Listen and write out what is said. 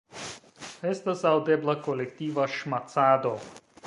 Estas aŭdebla kolektiva ŝmacado.